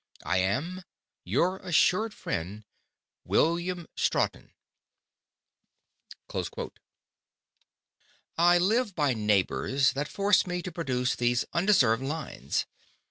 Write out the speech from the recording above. I am,_ Your assured Friend, WILLIAM STOUGHTON. I live by Neighbours that force me to produce these undeserved Lines.